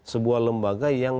sebuah lembaga yang